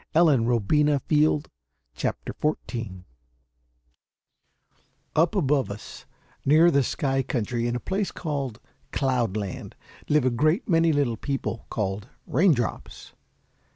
The Raindrops Up above us, near the Sky Country, in a place called Cloudland, live a great many little people, called raindrops.